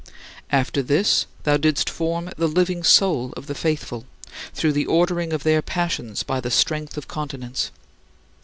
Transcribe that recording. After this thou didst form "the living soul" of the faithful, through the ordering of their passions by the strength of continence.